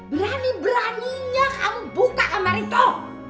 berani beraninya kamu buka kamar itu